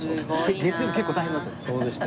結構大変だったんです。